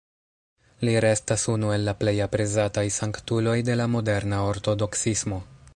Li restas unu el la plej aprezataj sanktuloj de la moderna Ortodoksismo.